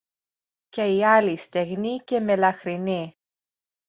και η άλλη, στεγνή και μελαχρινή